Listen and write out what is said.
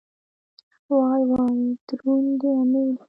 وای وای دروند دی امېل.